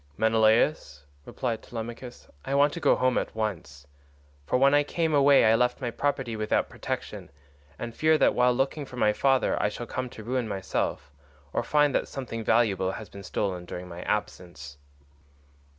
"Menelaus," replied Telemachus, "I want to go home at once, for when I came away I left my property without protection, and fear that while looking for my father I shall come to ruin myself, or find that something valuable has been stolen during my absence."